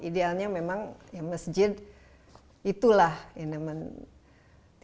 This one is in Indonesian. idealnya memang ya masjid itulah yang namanya